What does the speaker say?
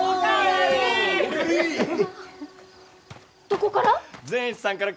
どこから？